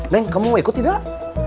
neng kamu ikut tidak